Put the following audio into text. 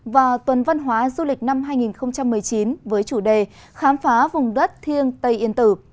và tuần văn hóa du lịch năm hai nghìn một mươi chín với chủ đề khám phá vùng đất thiên tây yên tử